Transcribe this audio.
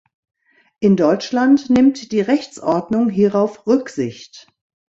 In Deutschland nimmt die Rechtsordnung hierauf Rücksicht.